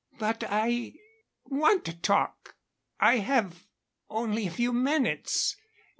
"But I want to talk. I have only a few minutes.